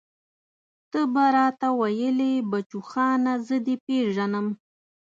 ته به راته ويلې بچوخانه زه دې پېژنم.